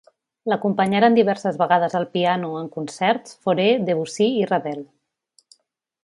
L'acompanyaren diverses vegades al piano, en concerts, Fauré, Debussy i Ravel.